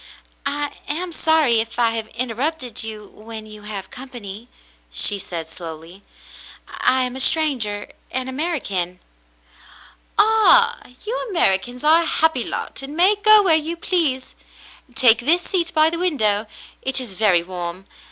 "I am sorry if I have interrupted you when you have company," she said slowly. "I am a stranger — an American." "Ah, you Americans are a happy lot and may go where you please. Take this seat by the window; it is very warm.